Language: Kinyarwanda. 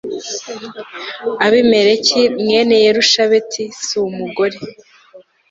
abimeleki mwene yerubasheti si umugore